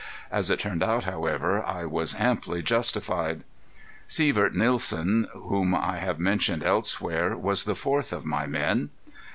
As it turned out, however, I was amply justified. Sievert Nielsen, whom I have mentioned elsewhere, was the fourth of my men.